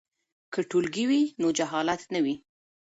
که ټولګی وي نو جهالت نه وي.